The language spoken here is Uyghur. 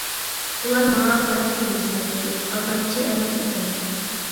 ئۇلار ماڭا قاراپ كۈلۈمسىرەيتتى، ئالدامچى ئەمەس ئىكەن.